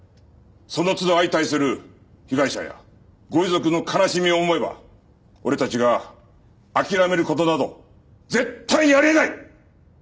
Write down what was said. その都度相対する被害者やご遺族の悲しみを思えば俺たちが諦める事など絶対にあり得ない！